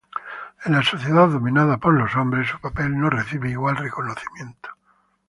En la sociedad dominada por los hombres, su papel no recibe igual reconocimiento.